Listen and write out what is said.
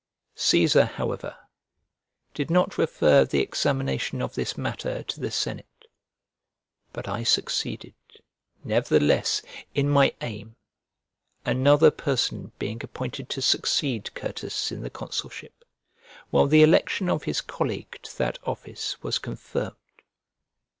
Cæsar, however, did not refer the examination of this matter to the senate. But I succeeded, nevertheless, in my aim, another person being appointed to succeed Certus in the consulship, while the election of his colleague to that office was confirmed.